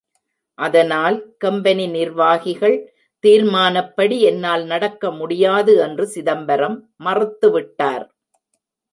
அதனால், கம்பெனி நிர்வாகிகள் தீர்மானப்படி என்னால் நடக்க முடியாது என்று சிதம்பரம் மறுத்து விட்டார்.